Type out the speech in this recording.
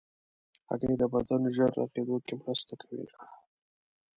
هګۍ د بدن ژر رغېدو کې مرسته کوي.